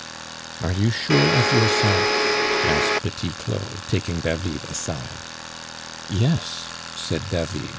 "Are you sure of yourself?" asked Petit Claud, taking David aside. "Yes," said David.